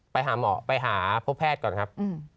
ไปหาหมอไปหาพบแพทย์ก่อนครับ